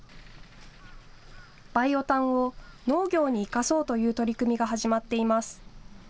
バイオ炭を農業に生かそうという取り組みが始まっています。